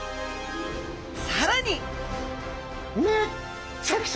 さらに！